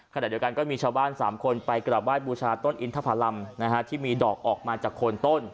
ขณะเดียวกันก็มีชาวบ้าน๓คนไปกลับไห้บูชาต้นอินทภารำที่มีดอกออกมาจากโคนต้น